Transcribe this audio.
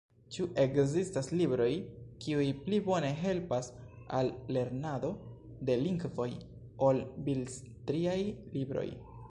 Ĉu ekzistas libroj, kiuj pli bone helpas al lernado de lingvoj, ol bildstriaj libroj?